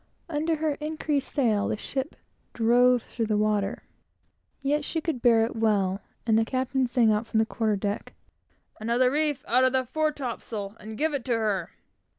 Under her increased sail, the ship drove on through the water. Yet she could bear it well; and the captain sang out from the quarter deck "Another reef out of that fore topsail, and give it to her!"